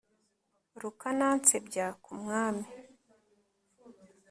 rukanansebya ku mwami